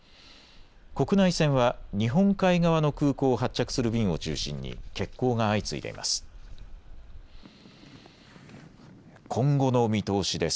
国内線は日本海側の空港を発着する便を中心に欠航が相次いでいます。